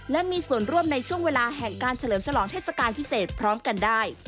และมีส่วนร่วมในช่วงเวลาแห่งการเฉลิมฉลองเทศกาลพิเศษพร้อมกันได้